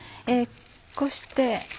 こうして。